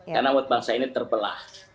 karena umat bangsa ini terpelah